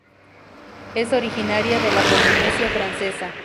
Es originaria de la Polinesia Francesa.